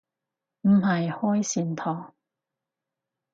唔係開善堂